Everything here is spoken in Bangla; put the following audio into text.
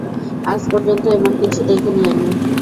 আজ পর্যন্ত এমন কিছু দেখিনি আমি।